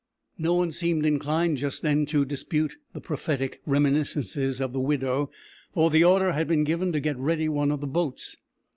No one seemed inclined just then to dispute the prophetic reminiscences of the widow, for the order had been given to get ready one of the boats.